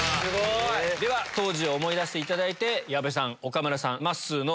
当時を思い出していただいて矢部さん岡村さんまっすーの。